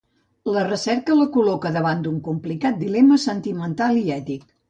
La recerca la col·loca davant un complicat dilema sentimental i ètic.